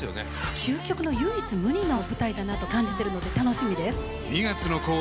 究極の唯一無二の舞台だなと感じてるので。